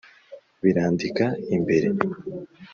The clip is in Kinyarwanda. birandika imbere